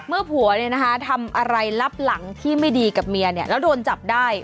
เมื่อผัวเนี่ยนะคะทำอะไรรับหลังที่ไม่ดีกับเมียเนี่ยแล้วโดนจับได้